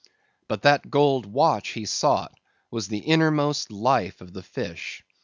But that gold watch he sought was the innermost life of the fish.